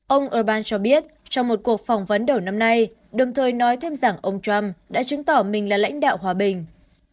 ông erban cho biết trong một cuộc phỏng vấn đầu năm nay đồng thời nói thêm rằng ông trump đã chứng tỏ mình là lãnh đạo hòa bình